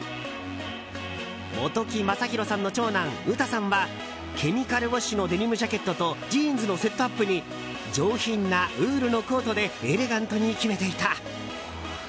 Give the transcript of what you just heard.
本木雅弘さんの長男・ＵＴＡさんはケミカルウォッシュのデニムジャケットとジーンズのセットアップに上品なウールのコートでエレガントに決めていた。